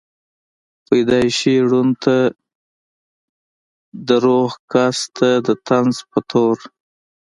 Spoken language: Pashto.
پېدائشي ړوند ته دَروغ کس ته دطنز پۀ طور